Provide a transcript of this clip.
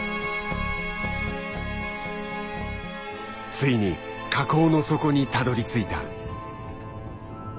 ついに火口の底にたどりついた。